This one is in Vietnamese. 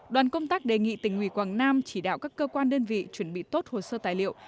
đoàn công tác đề nghị tỉnh ủy quảng nam chỉ đạo các cơ quan đơn vị chuẩn bị tốt hồ sơ tài liệu